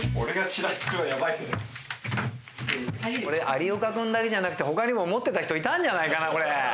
これ有岡君だけじゃなく他にも思ってた人いたんじゃないかな。